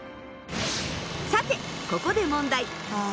さてここで問題。